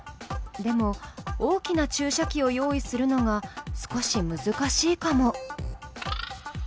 でも大きな注射器を用意するのが少し難しいかも。